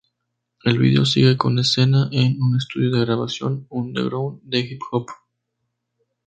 El vídeo sigue con escena en un estudio de grabación underground de hip-hop.